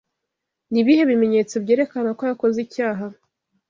Nibihe bimenyetso byerekana ko yakoze icyaha?